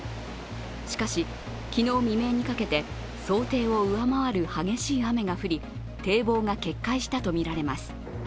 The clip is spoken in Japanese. しかし、昨日未明にかけて想定を上回る激しい雨が降り堤防が決壊したとみられます。